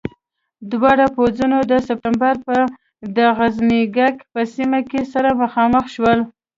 دواړه پوځونه د سپټمبر پر د غزنيګک په سیمه کې سره مخامخ شول.